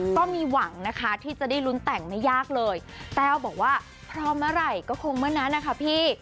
ก็มีหวังนะคะที่จะได้ลุ้นแต่งไม่ยากเลยแต้วบอกว่าพร้อมเมื่อไหร่ก็คงเมื่อนั้นนะคะพี่